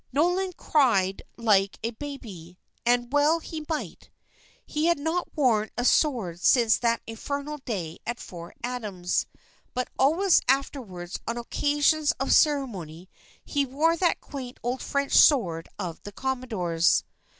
Nolan cried like a baby, and well he might. He had not worn a sword since that infernal day at Fort Adams. But always afterwards on occasions of ceremony, he wore that quaint old French sword of the commodore's.